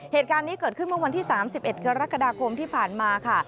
เหตุการณ์นี้เกิดขึ้นเมื่อวันที่๓๑กรกฎาคมที่ผ่านมาค่ะ